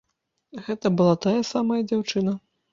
Гэта была тая самая дзяўчына.